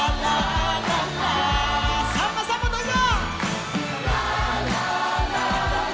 さんまさんもどうぞ！